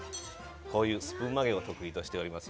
こういうスプーン曲げを得意としております。